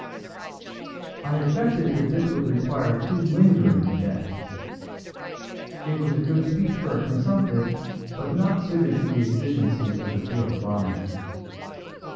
I objected that this would require too lingering a death; it was a good speech for a consumptive, but not suited to the exigencies of the field of honor.